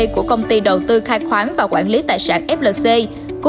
của công ty đầu tư khai khoáng và quản lý tài sản flc